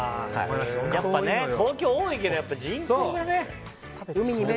やっぱ東京多いけど人口がね。